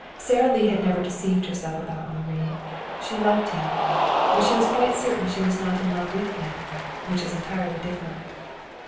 Sara Lee had never deceived herself about Henri. She loved him. But she was quite certain she was not in love with him, which is entirely different.